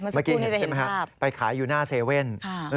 เมื่อกี้เห็นใช่ไหมครับไปขายอยู่หน้าเซเว่น